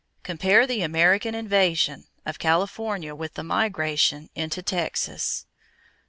Compare the American "invasion" of California with the migration into Texas.